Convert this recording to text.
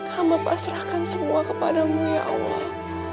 hama pasrahkan semua kepadamu ya allah